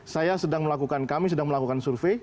saya sedang melakukan kami sedang melakukan survei